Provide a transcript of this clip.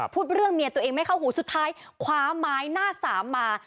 พูดเรื่องเมียตัวเองไม่เข้าหูสุดท้ายคว้าไม้หน้าสามมา